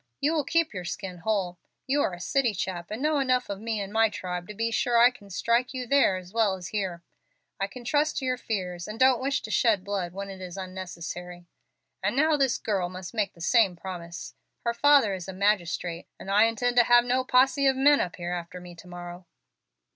You will keep your skin whole. You are a city chap, and know enough of me and my tribe to be sure I can strike you there as well as here. I can trust to your fears, and don't wish to shed blood when it is unnecessary. And now this girl must make the same promise. Her father is a magistrate, and I intend to have no posse of men up here after me to morrow."